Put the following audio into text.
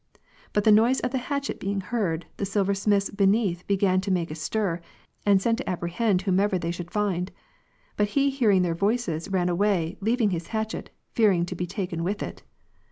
But the noise of the hatchet being heard, the silver smiths beneath began to make a stir, and sent to apprehend whomever they should find. But he hearing their voices, ran away, leaving his hatchet, fearing to be taken with it.